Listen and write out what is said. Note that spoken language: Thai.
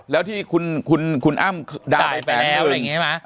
แล้วที่คุณอ้ำ